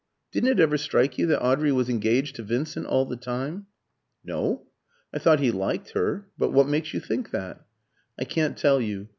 Didn't it ever strike you that Audrey was engaged to Vincent all the time?" "No. I thought he liked her, but what makes you think that?" "I can't tell you.